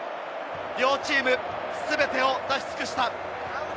両チーム、全てを出し尽くした！